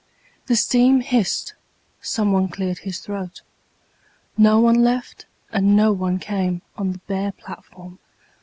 The steam hissed. Someone cleared his throat. No one left and no one came On the bare platform.